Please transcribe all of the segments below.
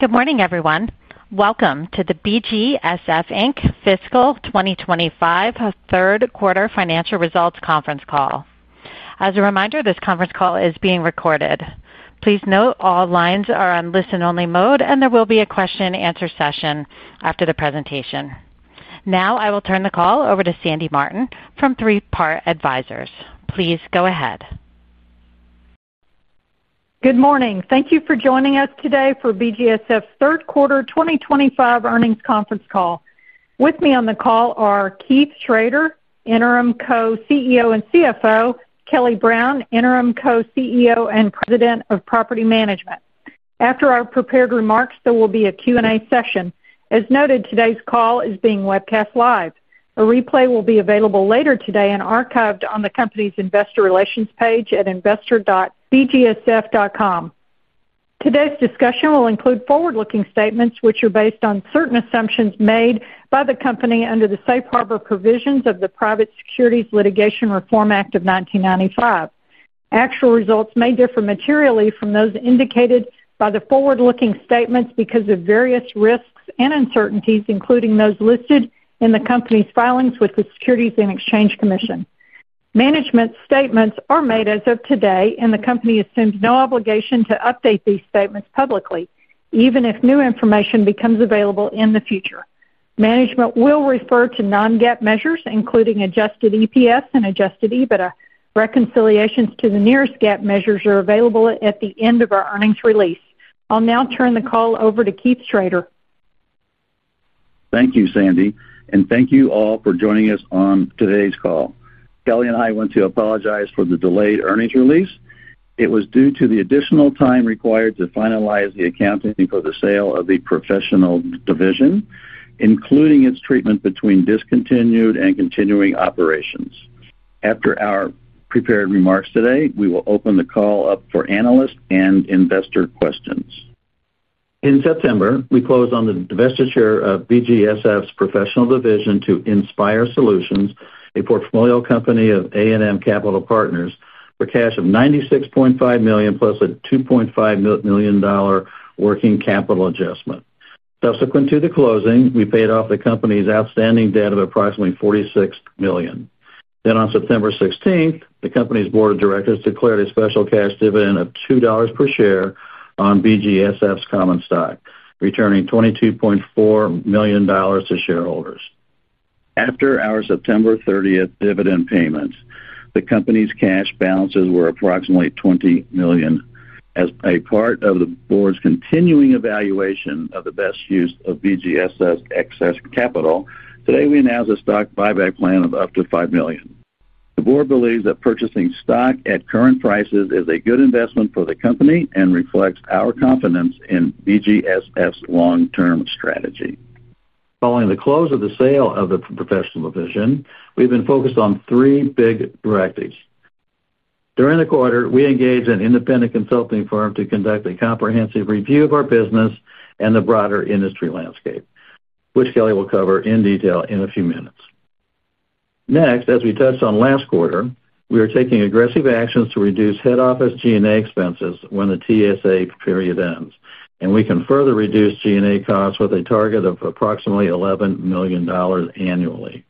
Good morning, everyone. Welcome to the BGSF, Inc Fiscal 2025 Third Quarter Financial Results Conference Call. As a reminder, this conference call is being recorded. Please note all lines are on listen-only mode, and there will be a question-and-answer session after the presentation. Now, I will turn the call over to Sandy Martin from Three Part Advisors. Please go ahead. Good morning. Thank you for joining us today for BGSF Third Quarter 2025 Earnings Conference Call. With me on the call are Keith Schroeder, Interim Co-CEO and CFO; Kelly Brown, Interim Co-CEO and President of Property Management. After our prepared remarks, there will be a Q&A session. As noted, today's call is being webcast live. A replay will be available later today and archived on the company's Investor Relations page at investor.bgsf.com. Today's discussion will include forward-looking statements, which are based on certain assumptions made by the company under the Safe Harbor Provisions of the Private Securities Litigation Reform Act of 1995. Actual results may differ materially from those indicated by the forward-looking statements because of various risks and uncertainties, including those listed in the company's filings with the Securities and Exchange Commission. Management statements are made as of today, and the company assumes no obligation to update these statements publicly, even if new information becomes available in the future. Management will refer to non-GAAP measures, including adjusted EPS and adjusted EBITDA. Reconciliations to the nearest GAAP measures are available at the end of our earnings release. I'll now turn the call over to Keith Schroeder. Thank you, Sandy, and thank you all for joining us on today's call. Kelly and I want to apologize for the delayed earnings release. It was due to the additional time required to finalize the accounting for the sale of the professional division, including its treatment between discontinued and continuing operations. After our prepared remarks today, we will open the call up for analyst and investor questions. In September, we closed on the divestiture of BGSF's professional division to Inspire Solutions, a portfolio company of A&M Capital Partners, for cash of $96.5 million plus a $2.5 million working capital adjustment. Subsequent to the closing, we paid off the company's outstanding debt of approximately $46 million. On September 16th, the company's board of directors declared a special cash dividend of $2 per share on BGSF's common stock, returning $22.4 million to shareholders. After our September 30th dividend payments, the company's cash balances were approximately $20 million. As a part of the board's continuing evaluation of the best use of BGSF's excess capital, today we announced a stock buyback plan of up to $5 million. The board believes that purchasing stock at current prices is a good investment for the company and reflects our confidence in BGSF's long-term strategy. Following the close of the sale of the professional division, we have been focused on three big directives. During the quarter, we engaged an independent consulting firm to conduct a comprehensive review of our business and the broader industry landscape, which Kelly will cover in detail in a few minutes. Next, as we touched on last quarter, we are taking aggressive actions to reduce head office G&A expenses when the TSA period ends, and we can further reduce G&A costs with a target of approximately $11 million annually.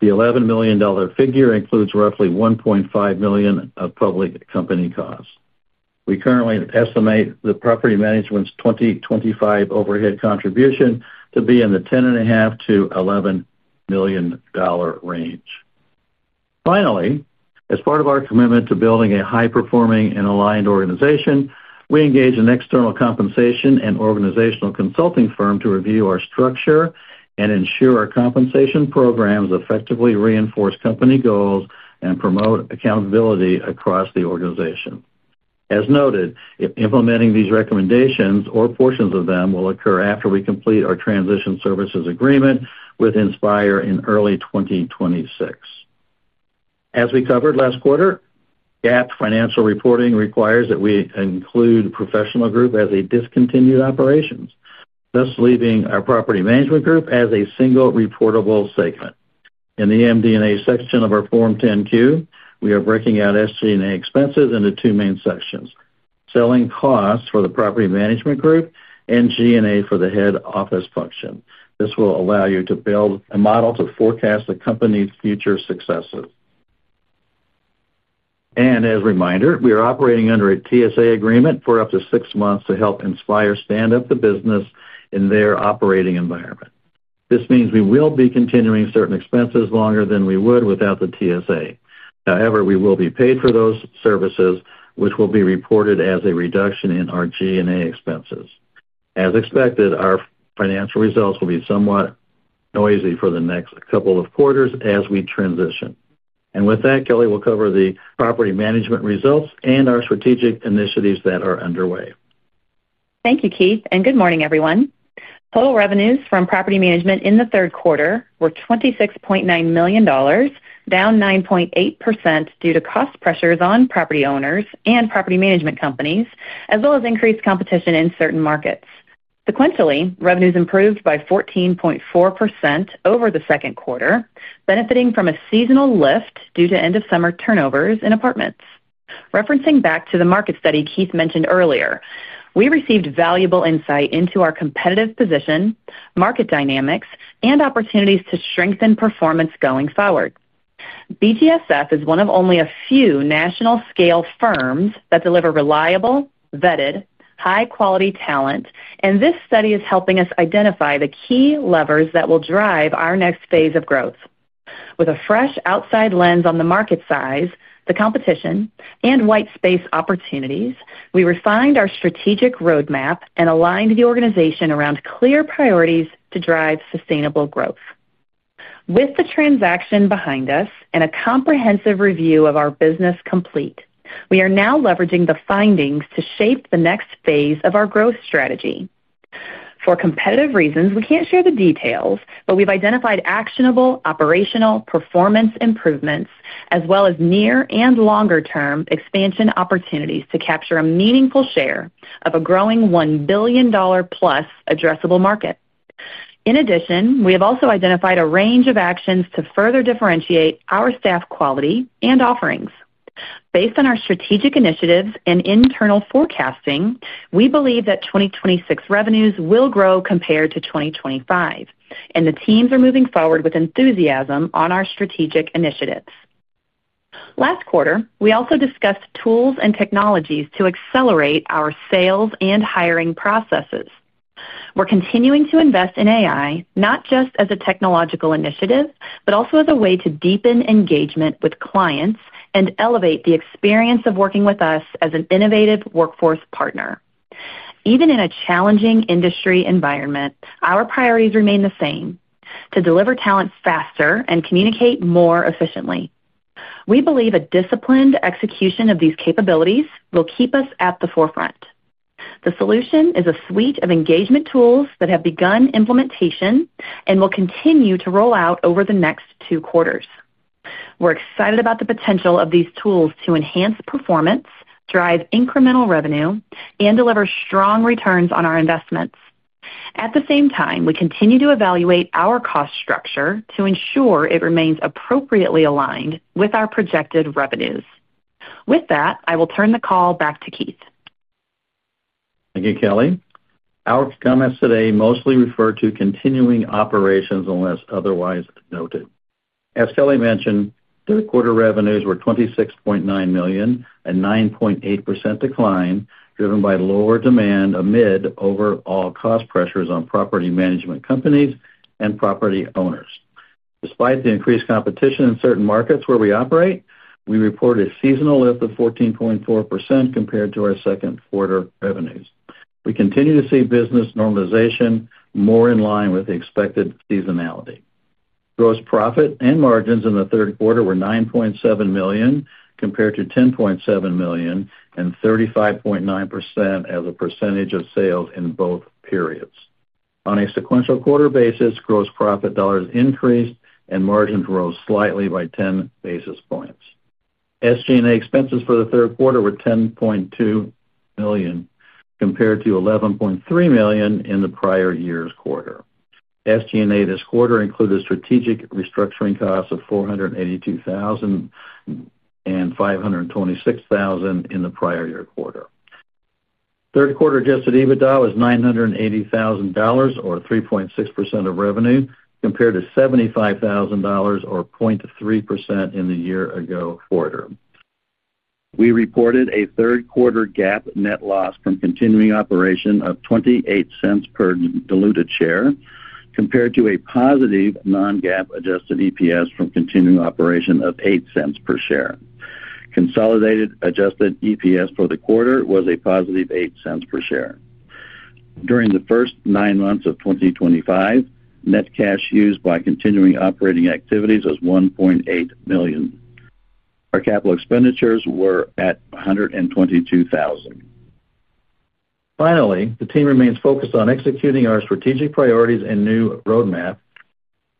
The $11 million figure includes roughly $1.5 million of public company costs. We currently estimate the property management's 2025 overhead contribution to be in the $10.5-$11 million range. Finally, as part of our commitment to building a high-performing and aligned organization, we engaged an external compensation and organizational consulting firm to review our structure and ensure our compensation programs effectively reinforce company goals and promote accountability across the organization. As noted, implementing these recommendations or portions of them will occur after we complete our transition services agreement with Inspire in early 2026. As we covered last quarter, GAAP financial reporting requires that we include the professional group as a discontinued operations, thus leaving our property management group as a single reportable segment. In the MD&A section of our Form 10Q, we are breaking out SG&A expenses into two main sections: selling costs for the property management group and G&A for the head office function. This will allow you to build a model to forecast the company's future successes. As a reminder, we are operating under a TSA agreement for up to six months to help Inspire stand up the business in their operating environment. This means we will be continuing certain expenses longer than we would without the TSA. However, we will be paid for those services, which will be reported as a reduction in our G&A expenses. As expected, our financial results will be somewhat noisy for the next couple of quarters as we transition. With that, Kelly will cover the property management results and our strategic initiatives that are underway. Thank you, Keith, and good morning, everyone. Total revenues from property management in the third quarter were $26.9 million, down 9.8% due to cost pressures on property owners and property management companies, as well as increased competition in certain markets. Sequentially, revenues improved by 14.4% over the second quarter, benefiting from a seasonal lift due to end-of-summer turnovers in apartments. Referencing back to the market study Keith mentioned earlier, we received valuable insight into our competitive position, market dynamics, and opportunities to strengthen performance going forward. BGSF is one of only a few national-scale firms that deliver reliable, vetted, high-quality talent, and this study is helping us identify the key levers that will drive our next phase of growth. With a fresh outside lens on the market size, the competition, and white space opportunities, we refined our strategic roadmap and aligned the organization around clear priorities to drive sustainable growth. With the transaction behind us and a comprehensive review of our business complete, we are now leveraging the findings to shape the next phase of our growth strategy. For competitive reasons, we can't share the details, but we've identified actionable operational performance improvements, as well as near and longer-term expansion opportunities to capture a meaningful share of a growing $1 billion-plus addressable market. In addition, we have also identified a range of actions to further differentiate our staff quality and offerings. Based on our strategic initiatives and internal forecasting, we believe that 2026 revenues will grow compared to 2025, and the teams are moving forward with enthusiasm on our strategic initiatives. Last quarter, we also discussed tools and technologies to accelerate our sales and hiring processes. We're continuing to invest in AI, not just as a technological initiative, but also as a way to deepen engagement with clients and elevate the experience of working with us as an innovative workforce partner. Even in a challenging industry environment, our priorities remain the same: to deliver talent faster and communicate more efficiently. We believe a disciplined execution of these capabilities will keep us at the forefront. The solution is a suite of engagement tools that have begun implementation and will continue to roll out over the next two quarters. We're excited about the potential of these tools to enhance performance, drive incremental revenue, and deliver strong returns on our investments. At the same time, we continue to evaluate our cost structure to ensure it remains appropriately aligned with our projected revenues. With that, I will turn the call back to Keith. Thank you, Kelly. Our comments today mostly refer to continuing operations unless otherwise noted. As Kelly mentioned, third quarter revenues were $26.9 million, a 9.8% decline driven by lower demand amid overall cost pressures on property management companies and property owners. Despite the increased competition in certain markets where we operate, we reported a seasonal lift of 14.4% compared to our second quarter revenues. We continue to see business normalization more in line with the expected seasonality. Gross profit and margins in the third quarter were $9.7 million compared to $10.7 million, and 35.9% as a percentage of sales in both periods. On a sequential quarter basis, gross profit dollars increased and margins rose slightly by 10 basis points. SG&A expenses for the third quarter were $10.2 million compared to $11.3 million in the prior year's quarter. SG&A this quarter included strategic restructuring costs of $482,000 and $526,000 in the prior year quarter. Third quarter adjusted EBITDA was $980,000, or 3.6% of revenue, compared to $75,000, or 0.3% in the year-ago quarter. We reported a third quarter GAAP net loss from continuing operation of $0.28 per diluted share, compared to a positive non-GAAP adjusted EPS from continuing operation of $0.08 per share. Consolidated adjusted EPS for the quarter was a positive $0.08 per share. During the first nine months of 2025, net cash used by continuing operating activities was $1.8 million. Our capital expenditures were at $122,000. Finally, the team remains focused on executing our strategic priorities and new roadmap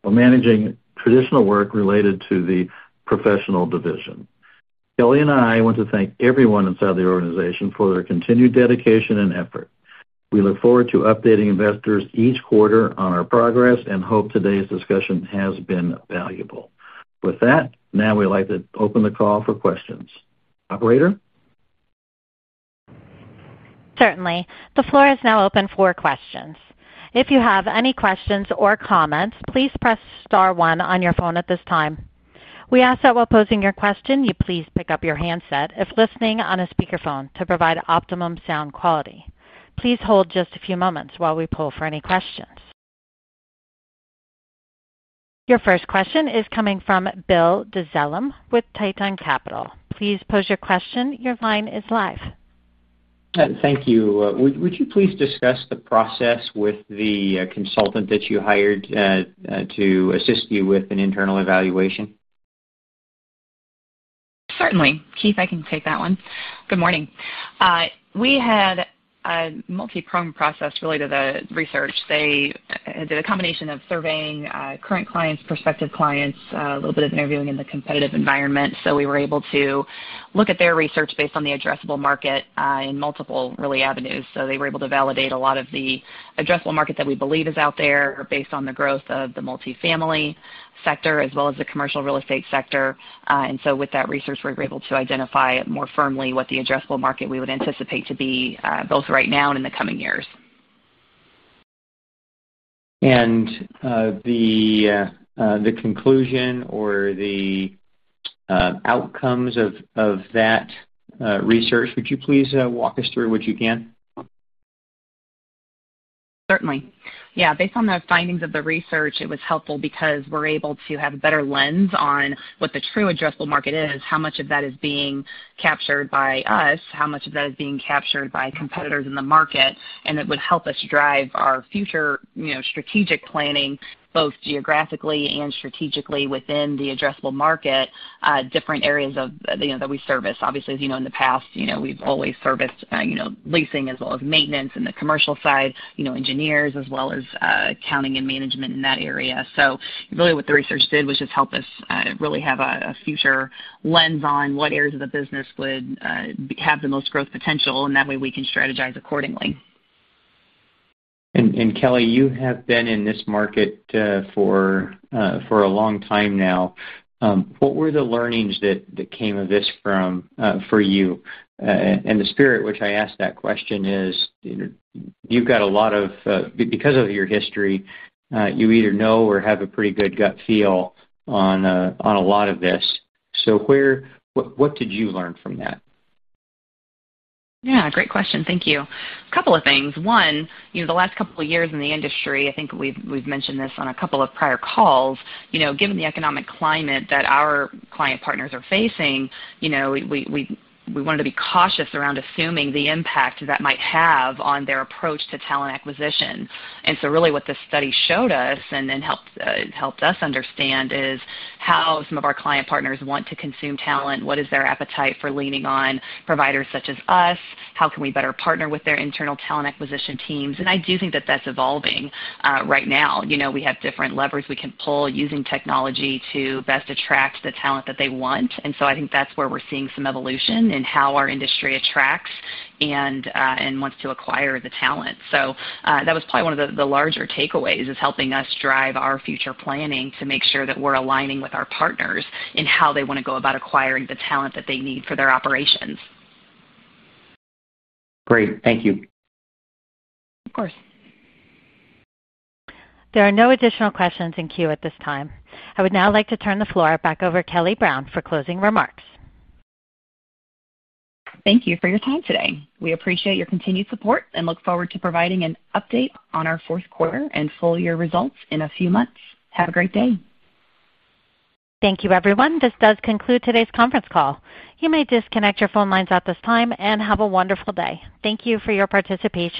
while managing traditional work related to the professional division. Kelly and I want to thank everyone inside the organization for their continued dedication and effort. We look forward to updating investors each quarter on our progress and hope today's discussion has been valuable. With that, now we'd like to open the call for questions. Operator? Certainly. The floor is now open for questions. If you have any questions or comments, please press star one on your phone at this time. We ask that while posing your question, you please pick up your handset if listening on a speakerphone, to provide optimum sound quality. Please hold just a few moments while we pull for any questions. Your first question is coming from Bill Dezellem with TeitonCapital. Please pose your question. Your line is live. Thank you. Would you please discuss the process with the consultant that you hired to assist you with an internal evaluation? Certainly. Keith, I can take that one. Good morning. We had a multi-pronged process related to the research. They did a combination of surveying current clients, prospective clients, a little bit of interviewing in the competitive environment. We were able to look at their research based on the addressable market in multiple avenues. They were able to validate a lot of the addressable market that we believe is out there based on the growth of the multifamily sector as well as the commercial real estate sector. With that research, we were able to identify more firmly what the addressable market we would anticipate to be both right now and in the coming years. The conclusion or the outcomes of that research, would you please walk us through what you can? Certainly. Yeah. Based on the findings of the research, it was helpful because we're able to have a better lens on what the true addressable market is, how much of that is being captured by us, how much of that is being captured by competitors in the market. It would help us drive our future strategic planning, both geographically and strategically within the addressable market, different areas that we service. Obviously, as you know, in the past, we've always serviced leasing as well as maintenance in the commercial side, engineers as well as accounting and management in that area. Really what the research did was just help us really have a future lens on what areas of the business would have the most growth potential, and that way we can strategize accordingly. Kelly, you have been in this market for a long time now. What were the learnings that came of this for you? The spirit which I ask that question is, you have got a lot of, because of your history, you either know or have a pretty good gut feel on a lot of this. What did you learn from that? Yeah. Great question. Thank you. A couple of things. One, the last couple of years in the industry, I think we've mentioned this on a couple of prior calls, given the economic climate that our client partners are facing, we wanted to be cautious around assuming the impact that might have on their approach to talent acquisition. What this study showed us and helped us understand is how some of our client partners want to consume talent, what is their appetite for leaning on providers such as us, how can we better partner with their internal talent acquisition teams. I do think that that's evolving right now. We have different levers we can pull using technology to best attract the talent that they want. I think that's where we're seeing some evolution in how our industry attracts and wants to acquire the talent. That was probably one of the larger takeaways, is helping us drive our future planning to make sure that we're aligning with our partners in how they want to go about acquiring the talent that they need for their operations. Great. Thank you. Of course. There are no additional questions in queue at this time. I would now like to turn the floor back over to Kelly Brown for closing remarks. Thank you for your time today. We appreciate your continued support and look forward to providing an update on our fourth quarter and full year results in a few months. Have a great day. Thank you, everyone. This does conclude today's conference call. You may disconnect your phone lines at this time and have a wonderful day. Thank you for your participation.